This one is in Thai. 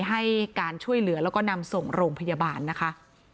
ให้การช่วยเหลือแล้วก็นำส่งโรงพยาบาลนะคะ